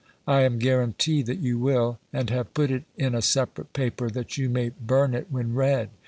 I am guarantee that you will; and have put it in a separate paper, that you may burn it when read.